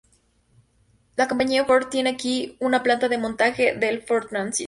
La Compañía Ford tiene aquí una planta de montaje del Ford Transit.